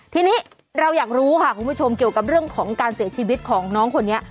ทีนี้เราอยากรู้ค่ะคุณผู้ชมเกี่ยวกับเรื่องของการเสียชีวิตของน้องคนนี้